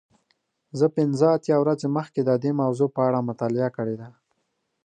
زه پنځه اتیا ورځې مخکې د دې موضوع په اړه مطالعه کړې ده.